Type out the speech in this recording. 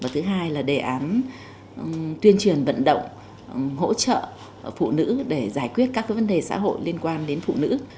thứ hai là đề án tuyên truyền vận động hỗ trợ phụ nữ để giải quyết các vấn đề xã hội liên quan đến phụ nữ